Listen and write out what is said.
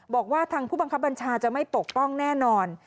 บอกว่าทางผู้บังคับบัญชาจะไม่ปกป้องแน่นอน